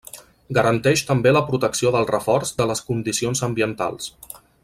Garanteix també la protecció del reforç de les condicions ambientals.